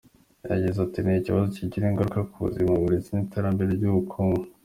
Yagize ati “Ni ikibazo kigira ingaruka ku buzima, uburezi n’iterambere ry’ubukungu.